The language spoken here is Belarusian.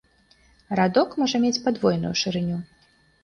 Радок можа мець падвойную шырыню.